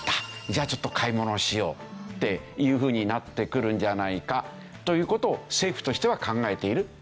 じゃあちょっと買い物をしよう」っていうふうになってくるんじゃないかという事を政府としては考えているという事なんですね。